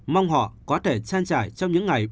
mong họ có thể trang trải trong những ngày